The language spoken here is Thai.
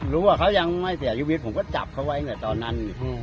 รู้ว่าเขายังไม่เสียชีวิตผมก็จับเขาไว้ไงตอนนั้น